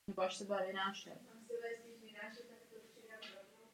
Vystudoval práva na Univerzitě v Turku a před vstupem do politiky pracoval jako právník.